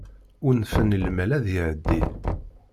Unfen i lmal ad iεeddi.